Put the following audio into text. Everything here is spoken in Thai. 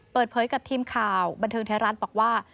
เปิดเผยกับทีมข่าวบันเทิงไทยรัฐบอกว่า